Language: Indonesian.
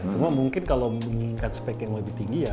cuma mungkin kalau mengikat spek yang lebih tinggi ya